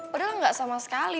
padahal nggak sama sekali